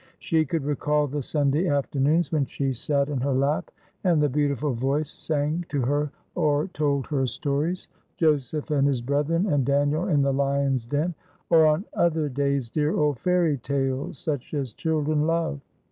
She could recall the Sunday afternoons when she sat in her lap and the beautiful voice sang to her or told her stories, Joseph and his brethren and Daniel in the lions' den, or on other days dear old fairy stories such as children love.